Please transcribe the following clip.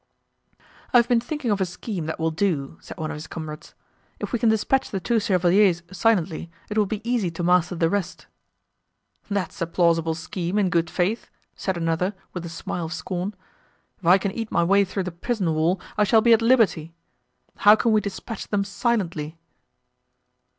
"I have been thinking of a scheme, that will do," said one of his comrades: "if we can dispatch the two chevaliers silently, it will be easy to master the rest." "That's a plausible scheme, in good faith," said another with a smile of scorn—"If I can eat my way through the prison wall, I shall be at liberty!—How can we dispatch them _silently?